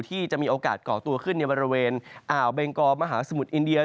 ที่จะมีโอกาสก่อตัวขึ้นในบริเวณอ่าวเบงกอมหาสมุทรอินเดีย